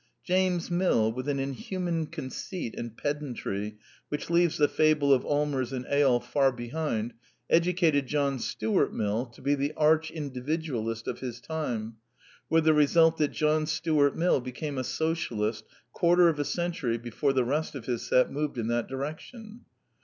James Mill, with an inhuman conceit and pedantry which leaves the fable of Allmers and Eyolf far behind, educated John Stuart Mill to be the arch Individualist of his time, with the result that John Stuart Mill became a Socialist quarter of a century before the rest of his set moved in that direction.